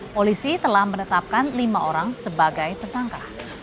polisi telah menetapkan lima orang sebagai tersangka